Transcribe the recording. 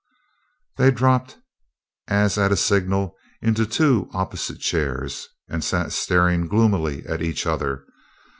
They dropped, as at a signal, into two opposite chairs, and sat staring gloomily at each other.